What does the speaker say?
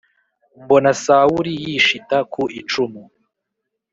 mbona Sawuli yishita ku icumu